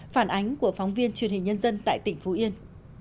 phản ánh của phóng viên truyền hình nhân dân tại tỉnh phú yên